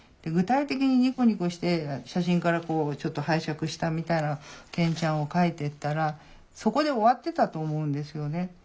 具体的にニコニコして写真からちょっと拝借したみたいな健ちゃんを描いていったらそこで終わってたと思うんですよね。